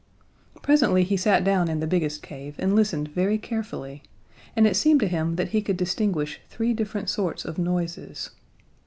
Presently he sat down in the biggest cave and listened very carefully, and it seemed to him that he could distinguish three different sorts of noises.